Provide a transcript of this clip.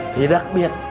thì đặc biệt